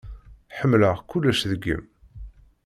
Ḥemmleɣ kullec deg-m.